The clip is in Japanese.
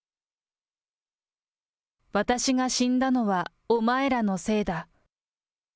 私が死んだのはお前らのせいだ。